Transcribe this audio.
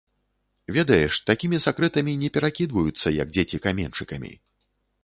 Ведаеш, такімі сакрэтамі не перакідваюцца, як дзеці каменьчыкамі.